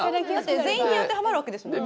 全員に当てはまるわけですもんね。